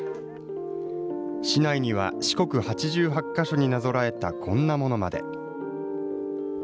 市内には、四国八十八か所になぞらえたこんなものまで。